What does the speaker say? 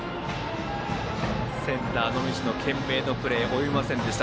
センター、野道の懸命なプレー及びませんでした。